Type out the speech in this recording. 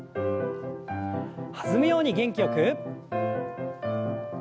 弾むように元気よく。